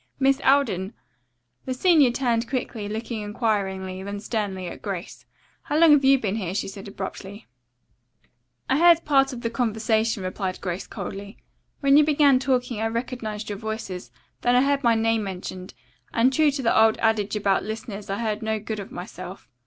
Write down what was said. "Miss Alden!" The senior turned quickly, looking inquiringly, then sternly, at Grace. "How long have you been here?" she said abruptly. "I heard part of the conversation," replied Grace coldly. "When you began talking I recognized your voices, then I heard my name mentioned, and true to the old adage about listeners I heard no good of myself.